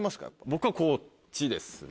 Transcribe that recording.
僕はこっちですね。